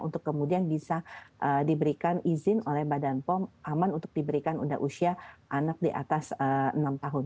untuk kemudian bisa diberikan izin oleh badan pom aman untuk diberikan undang usia anak di atas enam tahun